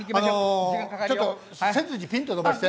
ちょっと背筋ピンと伸ばして。